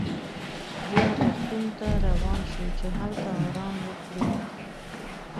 بیا روغتون ته روان شوو چې هلته ارام وکړو.